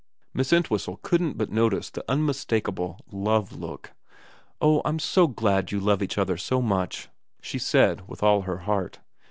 Miss Entwhistle couldn't but notice the unmistak able love look. ' Oh I'm so glad you love each other so much,' she said with all her heart.